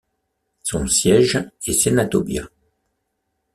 Son siège est Senatobia.